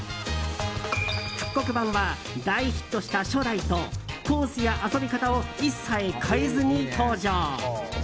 復刻版は、大ヒットした初代とコースや遊び方を一切変えずに登場。